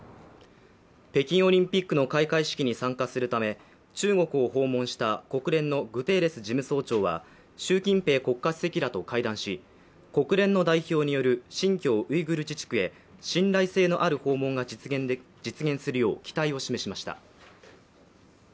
北京オリンピックの開会式に参加するため中国を訪問した国連のグテーレス事務総長は、習近平国家主席らと会談し、国連の代表による新疆ウイグル自治区へ信頼性のある訪問が実現するよう期待を示しました。